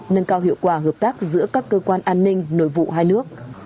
nâng cao hiệu quả hợp tác giữa các cơ quan an ninh nội vụ hai nước